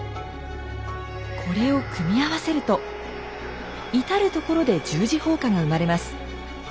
これを組み合わせると至る所で十字砲火が生まれます。